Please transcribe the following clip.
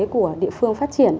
của địa phương phát triển